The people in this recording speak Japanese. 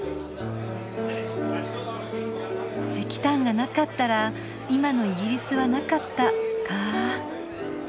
「石炭がなかったら今のイギリスはなかった」かぁ。